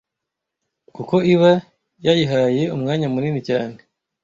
kuko iba yayihaye umwanya munini cyane